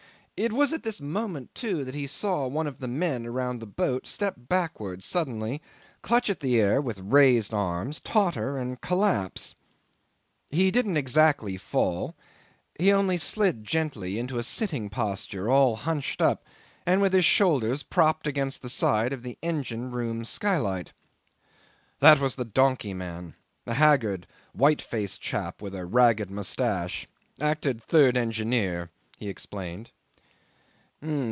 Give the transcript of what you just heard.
It was at this moment too that he saw one of the men around the boat step backwards suddenly, clutch at the air with raised arms, totter and collapse. He didn't exactly fall, he only slid gently into a sitting posture, all hunched up, and with his shoulders propped against the side of the engine room skylight. "That was the donkey man. A haggard, white faced chap with a ragged moustache. Acted third engineer," he explained.